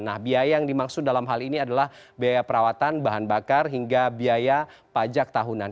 nah biaya yang dimaksud dalam hal ini adalah biaya perawatan bahan bakar hingga biaya pajak tahunan